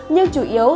nhưng chủ yếu